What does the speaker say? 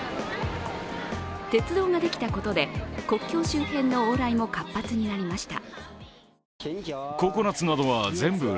鉄道ができたことで国境周辺の往来も活発になりました。